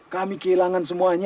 kami kehilangan semuanya